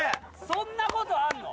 そんなことあんの？